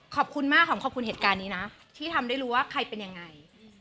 ขอบคุณมากหอมขอบคุณเหตุการณ์นี้นะที่ทำได้รู้ว่าใครเป็นยังไง